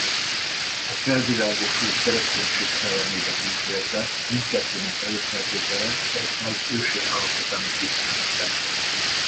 A felvilágosult kereszténység szellemében úgy vélte mindkettőnek előfeltétele az egyház ősi állapotának visszaállítása.